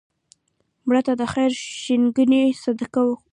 مړه ته د خیر ښیګڼې صدقه وکړه